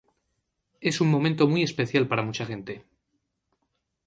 Es un momento muy especial para mucha gente".